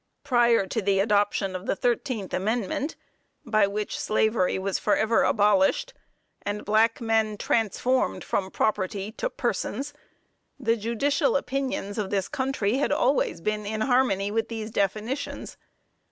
Prior to the adoption of the thirteenth amendment, by which slavery was forever abolished, and black men transformed from property to persons, the judicial opinions of the country had always been in harmony with these definitions.